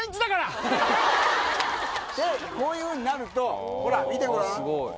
でこういうふうになるとほら見てごらん。